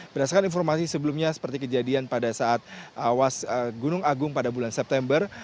berdasarkan informasi sebelumnya seperti kejadian pada saat awas gunung agung pada bulan september